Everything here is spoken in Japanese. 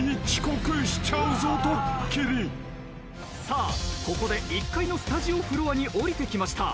さあここで１階のスタジオフロアに下りてきました。